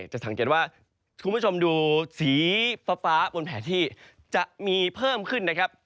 จะสังเกตว่าคุณผู้ชมดูสีฟ้าบนแผลที่จะมีเพิ่มขึ้นนะครับ